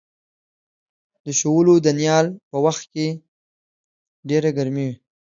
د شولو د نیال په وخت کې ډېره ګرمي وي.